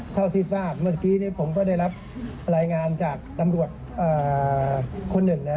เท่าที่ทราบเมื่อกี้ผมก็ได้รับรายงานจากตำรวจคนหนึ่งนะ